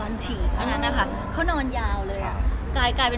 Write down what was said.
ร้องชีกตอนอื่นก็ตอนอื่นนั่นนะครับ